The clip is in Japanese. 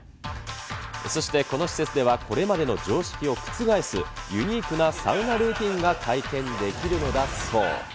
そしてこの施設では、これまでの常識を覆す、ユニークなサウナルーティンが体験できるのだそう。